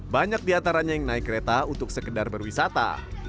banyak di ataranya yang naik kereta untuk sekedar berwisata